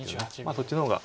そっちの方が。